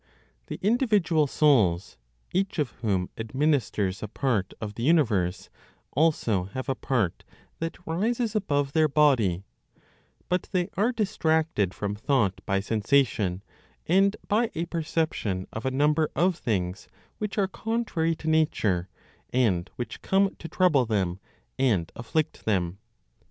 The individual souls, each of whom administers a part of the universe, also have a part that rises above their body; but they are distracted from thought by sensation, and by a perception of a number of things which are contrary to nature, and which come to trouble them, and afflict them.